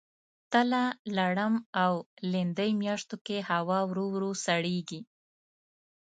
تله ، لړم او لیندۍ میاشتو کې هوا ورو ورو سړیږي.